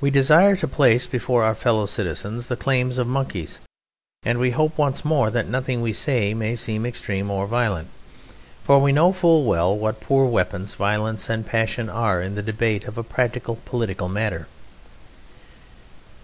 We desire to place before our fellow citizens the claims of Monkeys, and we hope once more that nothing we say may seem extreme or violent, for we know full well what poor weapons violence and passion are in the debate of a practical political matter.